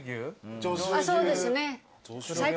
そうですね。